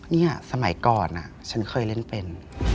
นี่สมัยก่อนฉันเคยเล่นเป็น